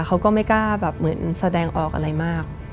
เขาก็ไม่กล้าแบบเหมือนแสดงออกอะไรมาก